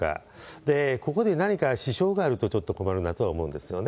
で、ここで何か支障があるとちょっと困るなとは思うんですよね。